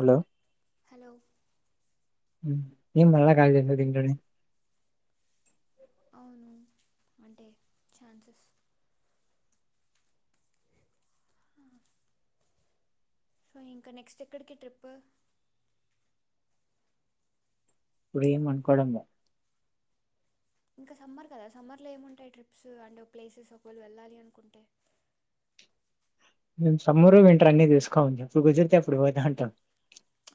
Hello hello నువ్వే call చెయ్ దీంతోటి అవును అంటే ఛాన్సెస్ ఆ సో ఇంకా నెక్స్ట్ ఎక్కడికి ట్రిప్పు ఇప్పుడే అనుకోవడం లే ఇంకా సమ్మర్ కదా సమ్మర్లో ఏముంటాయి ట్రిప్స్ అంటే ఒక ప్లేసెస్ ఒకవేళ వెళ్ళాలి అనుకుంటే మేమ్ సమ్మురు వింట్రన్నీ తీసుకోవ ఇప్పుడు కుజరితే అప్పుడు పోదా అంటాం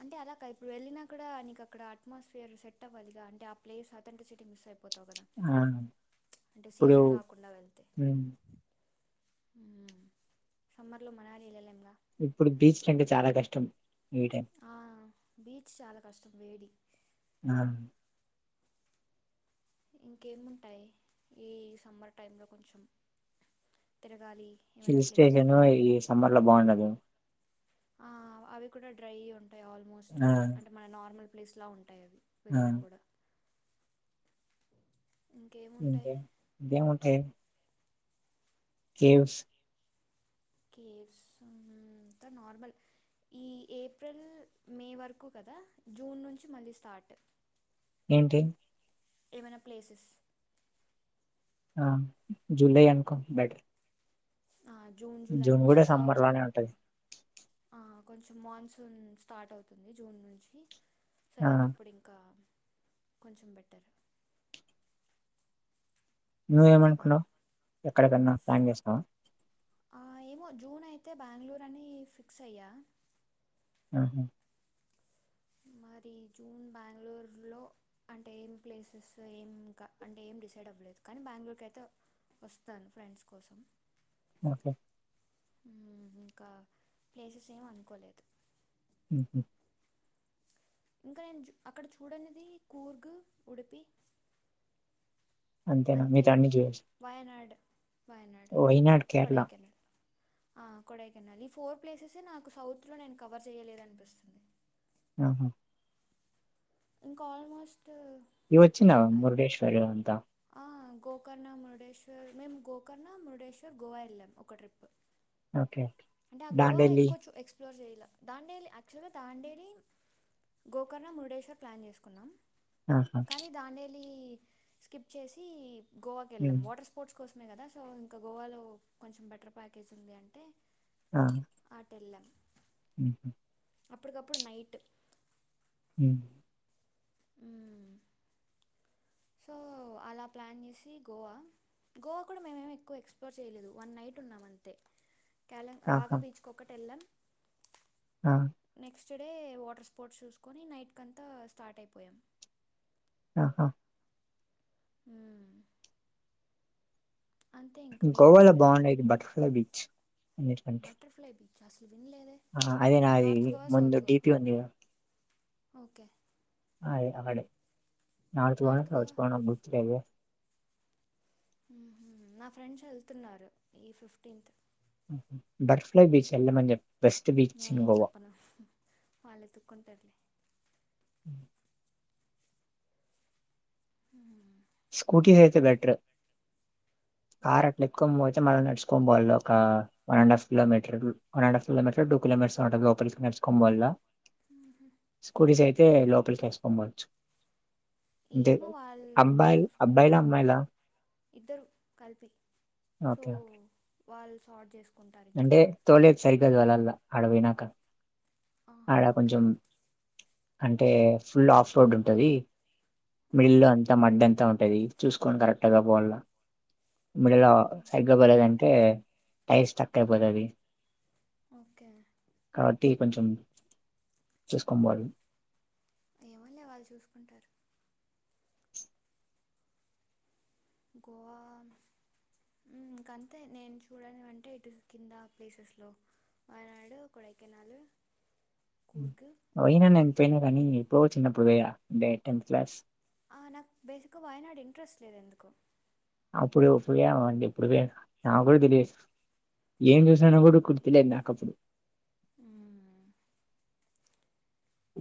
అంటే అలాగా ఇప్పుడు వెళ్ళినా కూడా నీకు అక్కడ అట్మాస్ఫయర్ సెట్ అవ్వలిగా అంటే ఆ ప్లేస్ అంతా [unintelligible] ఉన్నావ్ కదా ఆ అంటే ఇప్పుడు సీజన్ కాకుండా వెళ్తే ఉమ్ సమ్మర్ లో మనాలి వెళ్లాలిగా ఇప్పుడు బీచ్లు అంటే చాలా కష్టం ఈ టైం ఆ బీచ్ చాలా కష్టం వేడి ఆ ఇంకేముంటాయి ఈ సమ్మర్ టై లో కొంచెం తిర సిల్ స్టేషను ఈ సమ్మర్ లో బాగుండదు ఆ అవి కూడా డ్రై ఉంటాయి ఆల్మోస్ట్ ఆ అంటే మన నార్మల్ ప్లేస్ లా ఉంటాయి ఆ వెళ్ళినా కూడా ఇంకేముంటాయి ఇంకా ఇంకేముంటాయి కేమ్స్ కేప్స్ అంత నార్మల్ ఈ ఏప్రిల్ మే వరకు కదా జూన్ నుంచి మళ్ళీ స్టార్ట్ ఏంటి ఏమైనా ప్లేసెస్ ఆ జులై అనుకో బెటర్ ఆ జూన్ జూలై నుంచి కూడా కా సమ్మర్ లోనే ఉంటది ఆ కొంచెం మాన్సూన్ స్టార్ట్ అవుతుంది జూన్ నుంచి ఆ సోదన్ అప్పుడు ఇంకా కొంచెం బెటర్ నువ్ కదా ఏమనుకున్నావు ఎక్కడికన్నా ప్లాన్ చేస్తావా ఏమో జూన్ అయితే బెంగళూరు అని ఫిక్స్ అయ్యా ఉహూ మా మరి జూన్ బెంగళూరు లో అంటే ఏం ప్లేసెస్ ఇంకా అంటే ఏం డిసైడ్ అవ్వలేదు. కానీ బెంగళూరు కైతే వస్తాను ఫ్రెండ్స్ కోసం. ఓకే. ఇంకా ప్లేసెస్ ఏమ అనుకోలేదు. మ్ ఇంకా నేను అక్కడ చూడనిది కూర్గు, ఉడిపి. అంతేనా మిగతావి అన్నీ చూడచ్చు. పాయనాడు, కొడైకెనాల్ కొడైకన్నాల్ ఈ ఫోర్ ప్లేసెసే నాకు సౌత్లో నేను కవర్ చేయలేద అనిపిస్తుంది. ఆహా! ఇంకాల్మోస్ట్ ఇవి వచ్చిన మురుగేశ్వరు అంత గోకర్ణ, మురుడేశ్వర్, మేము గోకర్ణ మురుడేశ్వర్, గోవా వెళ్ళాము ఒక ట్రిప్పు. ఓకే అంటే, ఆ గోవా డాండెల్లి ఎక్కువ చూపించు ఎక్స్ప్లోర్ చేయాల దాండేలి, యాక్చువల్గా దాండేలి, గోకర్ణ, మురుడేశ్వర్ ప్లాన్ చేసుకున్నాం. ఆహా కానీ దాండేలి స్కిప్ చేసి గోవాకి వెళ్ళాం. ఉమ్ వాటర్ స్పోర్ట్స్ కోసమే కదా, సో ఇంకా గోవాలో కొంచెం బెటర్ ప్యాకేజ్ ఉంది అంటే అటెల్లామ్ మ్ హూ అప్పటికప్పుడు నైట్ మ్ మ్ సో అలా ప్లాన్ చేసి గోవా గోవా కూడా మేమేం ఎక్కువ ఎక్స్ప్లోర్ చేయలేదు వన్ నైట్ ఉన్నామంతే. కాల ఆహా బాగా బీచ్ కు ఒక్కటికి వెళ్ళాం. ఆ నెక్స్ట్ డే వాటర్ స్పోర్ట్స్ చూసుకొని నైట్కంతా స్టార్ట్ అయిపోయాం. ఆహా! మ్ బీచ్ గోవాలో బాగుండేది బటర్ఫ్లై బీచ్ అన్నిటికంటే. బటర్ఫ్లై బీచ్ అసలు వినలేదే ఆ అదే నాది నార్త్ గోవా ముందు సౌత్ గోవా డిపి ఉందిగదా. ఓకే అ అక్కడే నడుచుకోడం నార్త్ గోవా రాౌచ్చుకోన గుతులే [unintelligible] నా ఫ్రెండ్స్ వెళ్తున్నారు ఈ ఫిఫ్టీన్త్. బటర్ఫ్లై బీచ్ వెళ్ళమని చెప్పు. బెస్ట్ బీచ్ నేనే ఇన్ ఏం గోవా చెప్పను వాళ్ళు ఎతుక్కుంటారులే. మ్ ఉ స్కూటీ అయితే బెటర్. కార్ అట్లా ఎక్కొనిపోతే మనం నడుచుకొని పోవాలి ఒక వన్ అడ half kilometre one and half kilometre two kilometre వరకు. టు మినిట్స్ లోపలికి నడుచుకొనిపోవాల మ్హూ. స్కూటీస్ అయితే లోపలికి వేసుకోపోవచ్చు. ఏమో వాళ్ళు అబ్బాయిలు అబ్బాయిలా చూసుకుంటారు అమ్మాయిలా ఇద్దరు కలిపి సో ఓకే ఓకే. వాళ్ళ సాల్వ్ చేసుకుంటారు ఇంకా అంటే తోలేది సరిగ తోలల్లా ఆడపోయినాక ఆహా ఆడ ఓకే కొంచెం అంటే ఫుల్ ఆఫ్ రోడ్ ఉంటది. ఓకే మిళ్లంతా అంతా మడ్డంతా ఉంటుది చూసుకోొని కరెక్టగా పోాల. మిడల్ ఆహా, సైడ్ లో పలేేదంటే టైర్స్ టక్ అయిపోతది. ఓకే. ప్రటీ కొంచెం చూసుకోొవాలి. ఏమలే వాళ్ళు చూసుకుంటారు. గోవా. ఇంకంతే నేను చూడని అంటే ఇటు కింద ప్లేసెస్ లో. వనాడు కొడకనాాలు. పోయినా నని పోపోయినా కానీ ఇ పో చిన్నప్పుడు పోయా అంటే టెన్త్ క్లాస్. ఆ నాకు బేసిక్గా వాయనాడు ఇంట్రెస్ట్ లేదు ఎందుకో. అప్పుడు ఇప్పుడుే అంది ఇప్పుడుే నా కూడా తెలీయదు. ఏం చూసాన కూడా గుర్తిలేదు నాాకప్పుడు. ఆ.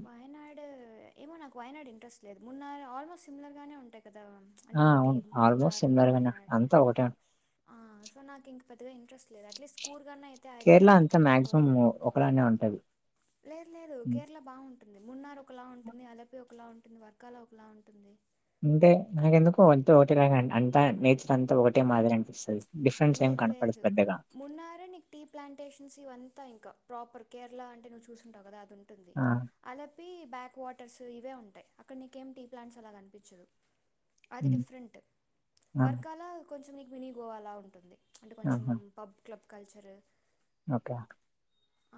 వయనాడు ఏమో నాకు వయనాడు ఇంట్రెస్ట్ లేదు మన్నర ఆల్మోస్ట్ సిమిలర్ గానే ఉంటాయి. కదా ఆ! అంటే ఊటీ అవును. ఆల్‌మోస్ట్ మన్నాార్ సిమిలర్‌గానే. వయనాడు అంతా ఒకటే ఉం ఆ సో నాకు ఇంకా. పెద్దగా ఇంట్రెస్ట్ లేదు అట్ స్కూల్. కేరళ అంతా మాక్సిమం ఒకలానే ఉంటది. లేదు లేదు హ్మ్. కేరళ బాగుంటుంది మున్నార్ ఒకలా ఉంటుంది అలపి ఒకలా ఉంటుంది. వర్గాలో ఒకలా ఉంటుంది. అంటే మనకెందుకు అంతే ఒక్కటేలగ అ అంతా నేచర్ అంతా ఒకటే మాదిరి అనిపిస్తుంది లేదు లేదు మొన్నరే నీకు టీ ప్లాంటేషన్స్ ఇవన్ ఇంకా ప్రోపర్ కేరళ అంటే నువ్ చూంటావు కదా అది ఉంటుంది ఆ! అ బ్యాక్ ఇవే ఉంటాయి అక్కడ నీకేం టీ ప్లాంట్స్ అలా కనిపించదు అది హ్మ్. డిఫరెంట్ ఆ! వర్కాల కొంచెం నీకు మినీ గోవలా ఉంటుంది అంటే కొంచెం ఆహా! పబ్ క్లబ్ కల్చర్ ఓకే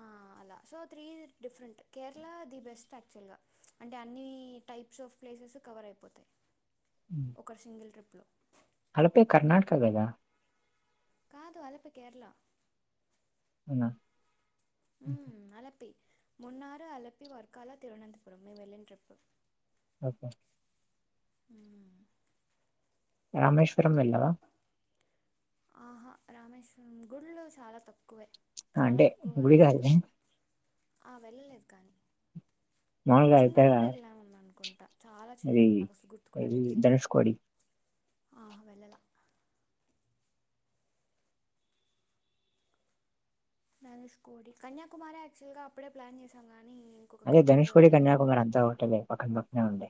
ఆ అలా so three different Kerala the best యాక్చువల్గా అంటే అన్ని టైప్స్ ఆఫ్ ప్లేస్ [unintelligible] కవర్ అయిపోతాయి ఒక సింగిల్ ట్రిప్ లో అలపీ కర్ణటక గదా కాదు అలపీ కేరళ అవునా? హ్మ్. మోన్నారు అలపి వర్కాల తిరువనంతపురం మేము వెళ్ళిన ట్రిప్ ఓకే మ్మ్ రామేశ్వరం వెళ్ళావా? ఆహా రామేశ్వరం గుళ్లు చాలా తక్కువే ఆ చాలా అంటే తక్కువ కాదు గుడి అసలు కాదులే తక్కువ ఆ వెళ్ళలేదు కానీ చిన్నప్పుడు వెళ్ళానుఅనుకుంట అది అది సేమ్ ధనుస్కోడి ఆహా వెళ్ళలా ధనుష్ కోడి కన్యాకుమారి ఆక్చువల్ గా అప్పుడే ప్లాన్ చేశాం కానీ ఇంకొక అదే కపుల్ ధనుష్కోడి లేదు కన్యాకుమారి అంతా ఒకటేలె పక్కన పక్కనే ఉండే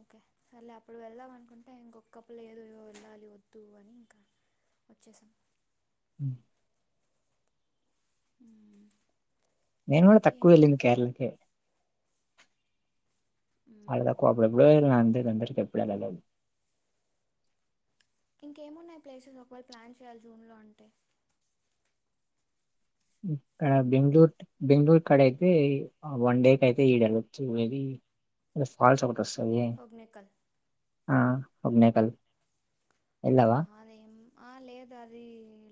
ఓకే సర్లే అప్పుడు వెళ్దాం అనుకుంటే ఇంకొకప్పులో ఏదో ఏదో వెళ్ళాలి వద్దు అని ఇంకా వచ్చేసాం మ్మ్ మ్మ్ నేను కూడా ఇంకే తక్కువ వెళ్ళింది కేరళకి మ్మ్. అడేదా అప్పుడు ఎప్పుడో [inaudible] నేన్ ఇండోర్ కి ఇపుడు వెళ్ళలేదు ఇంకేమున్నాయి ప్లేసెస్ ఒకవేళ ప్లాన్ చేయాలి జూన్ లో అంటే ఇడ బెంగళూర్ బెంగళూర్ కడ అయితే వన్ డే కె అయితే ఈడ వెళ్లచ్చు అది [unintelligible] రేపు ఫాల్ ఒకటి వస్తాది, హోగ్నేకల్ ఆ హోగ్నేకల్ ఆ అదేం ఆ లేదు అది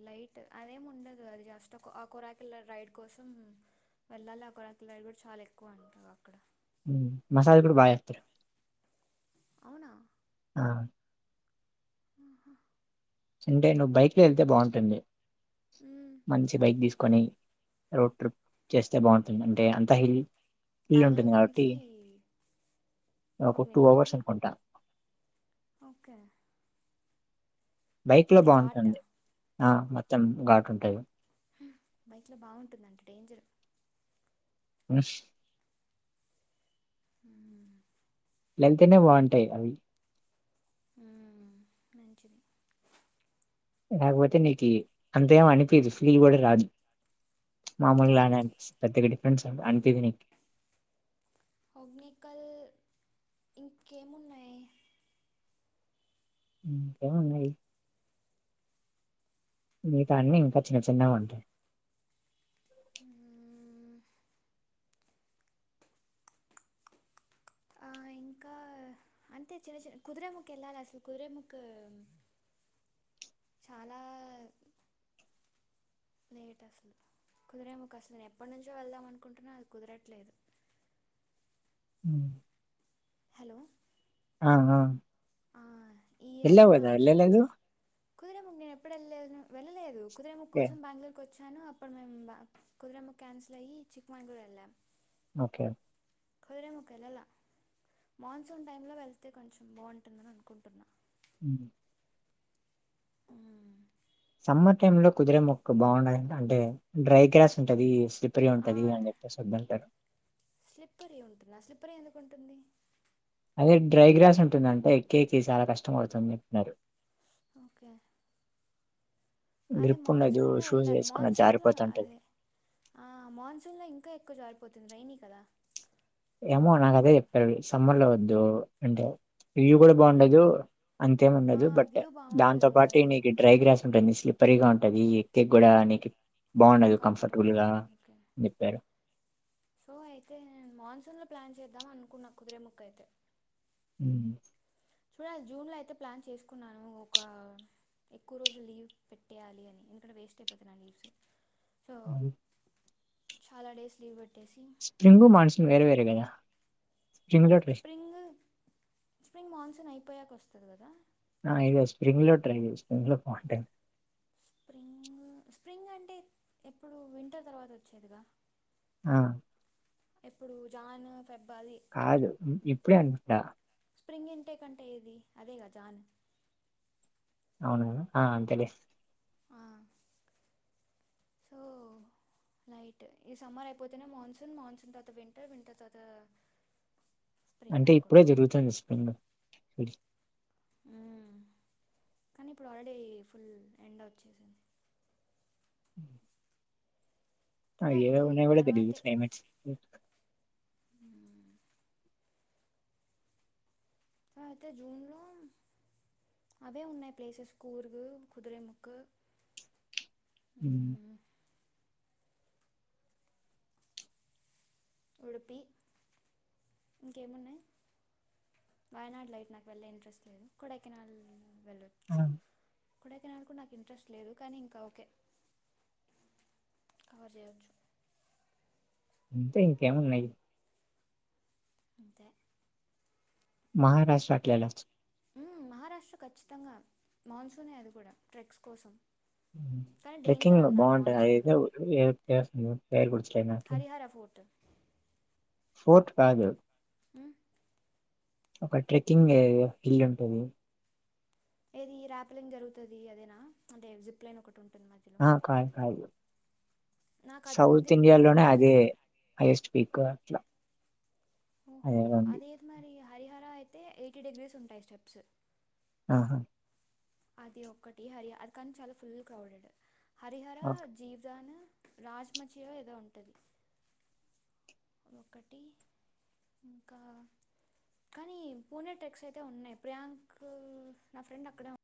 లైట్ అదేం ఉండదు అది జస్ట్ ఆ కొరకిల్ రైడ్ కోసం వెళ్ళాలి ఆ ఒక కోరకల్ రైడ్ కూడా చాలా ఎక్కువ అంటారు, అక్కడ ఉ మసాజ్ కూడా బాగా చేస్తారు అవునా ఆ ఆహా అంటే నువ్వు బైక్ లో వెళ్తే బాగుంటుంది, మ్మ్. మంచి బైక్ తీసుకొని రోడ్ ట్రిప్ చేస్తే బాగుంటుంది అంటే అంత హిల్ ఇల్లు ఉంటుంది బెంగళూరు కాబట్టి నుంచి ఒక టూ హొగ్నేకలా అవర్స్ అనుకుంటా, ఓకే బైక్ లో ఇది ఘాట్ బాగుంటుంది ఆ మొత్తం ఘాటు ఉంటది, బైక్లో బాగుంటుందంటడి డేంజర్ [unintelligible] అ లెతేనే బాగుంటాయి అవి ఆ మంచిది, కాకపోతే నీకు అంతేం అనిపియదు ఫీల్ కూడా రాదు, మామూలుగా మ్మ్. నే అనిపిస్తది పెద్ద గా డిఫరెన్స్ అనింపియానికి, హోగ్నేకల్ ఇంకేమున్నాయి, ఉ ఏమో ఉన్నాయి, మిగతా అన్ని ఇంకా చిన్న చిన్నవి ఉంటాయి, మ్మ్. ఆ ఇంకా అంటే చిన్న చిన్న కుదిరేముకు వెళ్ళాలి అసలు కుదురే ముక్క చాలా లేట్ అసలు కుదరేముకు అసలు నేను ఎప్పటి నుంచో వెళ్దాం అనుకుంటున్నా అది కుదరట్లేదు, [unintelligible] హలో ఆ ఆ ఆ, వెళ్ళవు కదా వెళ్ళలేదు, కుదరేముగ్ నేను ఎప్పుడు వెళ్ వెళ్లేదు కుదరేముగ్ ఓకే కోస బంగళూరుకి వచ్చా, అప్పుడు మే కుదిరమ్ కన్సల్ అయి చిక్మంగళూరు వెళ్ళాం ఓకే కుదిరే ముక్క ఒక వెళ్ళలా మాన్సూన్ టైంలో వెళ్తే కొంచెం బాగుంటుందని అనుకుంటున్నాను, ఉ అ సమ్మర్ టైమ్ లో కుదిరే ముక్కు బాగుండాది అంటే డ్రై గ్రాస్ ఉంటది, స్లిప్పరి ఉంటది, అని చెప్పేసి వద్దంటారు. స్లిప్పరి ఉంటుంద స్లిప్పరి ఎందుకు ఉంటుంది. అదే డ్రై గ్రాస్ ఉంటుందంటే ఎక్కేకి చాలా కష్టం మావూతుంది అంటన్నారు, ఓకే అదే గ్రిప్ ఉన్న మాన్సూన్లో షూస్ వెళ్ళాలి వేసుకున్నది మాన్సూన్లో జారిపోతుంటది, అదే ఆ మాన్సూన్ లో ఇంకా ఎక్కువ జారిపోతుంది, రైనీ కదా ఏమో నాకుదే చెప్పారు సమ్మర్ లో వద్దు అంటే ఇవి కూడా బాగుండదు, అంతేం ఉండదు బట్ వ్యూ దాంతో బాగుంటుంది పాటు అసలు నీకు డ్రై గ్రాస్ ఉంటుంది, స్లిప్పరీ గా ఉంటుంది. అది ఏకేకు కూడా అనేకి కంఫర్టబుల్గా ఒకే చెప్పారు సో అయితే మాన్సూన్ లో ప్లాన్ చేద్దాం అనుకున్న కుదిరే ముక్క అయితే ఉ చూడాలి జూన్ లో అయితే ప్లాన్ చేసుకున్నాను ఒక ఎక్కువ రోజులు లీవ్ పెట్టేయాలి అని ఎందుకంట వేస్ట్ అయిపోతున్నా లీవ్స్ సో అవు చాలా డేస్ లీవ్ పెట్టేసి స్ప్రింగు మన్సూన్ వే వేగాద రంగ్ట స్ప్రింగ్ స్ప్రింగ్ మాన్సూన్ అయిపోయాక వస్తుంది కదా ఆ ఇది స్ప్రింగ్ లో టప్రింగ్ లో పోంట స్ప్రింగ్ స్ప్రింగ్ అంటే ఎప్పుడు వింటర్ తర్వాత వచ్చేదిగా ఆ ఇప్పుడు జాన్ ఫెబ్ అది కాదు ఇప్పుడే అనుకుంటా స్ప్రింగ్ ఇంటేక్ అంటే ఏది అదే క చాను అవున ఆ అ తెలిస్తు ఆ సో నైట్ ఈ సమ్మర్ అయిపోతేనే మాన్సూన్ మాన్సూన్ తర్త వింటర్ వింటర్ తర్త అంటే ఇప్పుడే జరుగుతుంది విస్పంగా కానీ ఇప్పుడు ఆల్రెడీ ఫుల్ ఎండ్ వచ్చేసింది చూడాలి జూన్ తర్వాతే [unintelligible] అతే జూన్ లో అవే ఉన్నాయి ప్లేసెస్ కూరుగు కుదిరేముక్క అ ఉడపి ఇంకేమున్నాయి వాయనాడులో అయితే నాకు వెళ్ళే ఇంట్రెస్ట్ లేదు కొడాకినాల్ వెళ్ళొచ్చు కుడకినా కూడా నాకు ఇంట్రెస్ట్ లేదు కానీ ఇంకా ఓకే అబరి చేచ్చు అంటే ఇంకేమున్నాయి అంత మ మహారాష్ట్ర ఖచ్చితంగా మాన్సూనే అది కూడా ట్రెక్స్ కోసం కానీ డేంజర్ ట్రెక్కింగ్ అన్నారు బాగుంటాయి మాన్సూన్లో అదయితేస్తు పేరు కుచ్చోడానాకి హరిహర ఫోర్ట్ ఫోర్ట్ కాదు మ్మ్, ఒక ట్రెక్కింగ్ హిల్ ఉంటుది. ఏదిర్ప్లింగ్ జరుగుతుది, అదేనా అంటే జిప్లైన్ ఒకటి ఉంటంది. హా కాయ కాయ నాకు అది ఉంది సౌత్ ఇండియాలోనే బకెట్ లిస్ట్ అదే హైయెస్ట్ పీక్ అట్లా ఓహో అదేదో ఉంది అది ఏది మరి హరిహర అయితే ఎయిటీ డిగ్రీస్ ఉంటాయి, స్టెప్స్ ఆహా అది ఒకక్కటి హరిహ అది కాని చాలా ఫుల్ క్రౌడెడ్ హరిహర జీవదాన్ రాజ్మచియ ఏదో ఉంటుంది, ఒకటి ఇంకా కానీ పూణె ట్రెక్స్ అయితే ఉన్నాయి, ప్రియాంక్ నా ఫ్రెండ్ అక్కడే ఉ